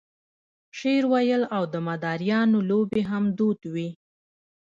شعر ویل او د مداریانو لوبې هم دود وې.